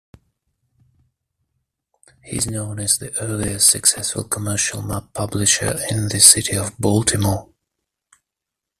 He is known as the earliest successful commercial map-publisher in the city of Baltimore.